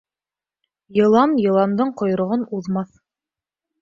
Йылан йыландың ҡойроғон уҙмаҫ